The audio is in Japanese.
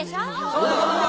そうだそうだ！